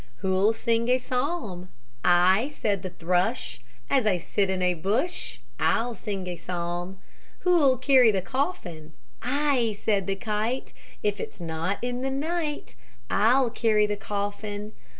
Who'll sing a psalm? "I," said the thrush, "As I sit in a bush. I'll sing a psalm." Who'll carry the coffin? "I," said the kite, "If it's not in the night, I'll carry the coffin."